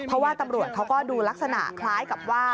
เพราะว่าตำรวจเขาก็ดูลักษณะคล้ายกับว่า